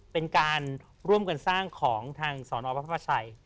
เป็นการร่วมกันสร้างของทางสอนอพระประชัย